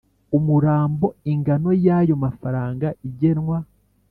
Umurambo ingano y ayo mafaranga igenwa